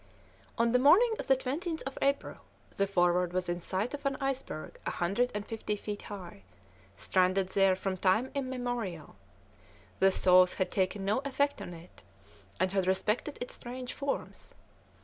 On the morning of the 20th of April the Forward was in sight of an iceberg a hundred and fifty feet high, stranded there from time immemorial; the thaws had taken no effect on it, and had respected its strange forms.